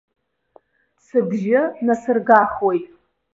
Сыбжьы насыргахуеит.